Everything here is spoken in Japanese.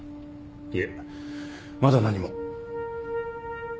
いえまだ何も。